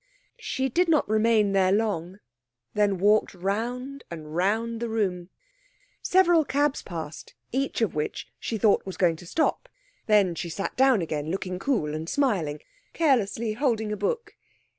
She did not remain there long, then walked round and round the room. Several cabs passed, each of which she thought was going to stop. Then she sat down again, looking cool and smiling, carelessly holding a book....